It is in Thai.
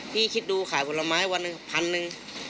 คิดดูขายผลไม้วันหนึ่งพันหนึ่ง